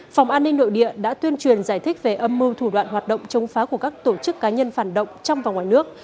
phòng an ninh nội địa đã tuyên truyền giải thích về âm mưu thủ đoạn hoạt động chống phá của các tổ chức cá nhân phản động trong và ngoài nước